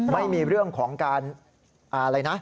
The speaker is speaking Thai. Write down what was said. ไม่มีเรื่องของการอะไรนะ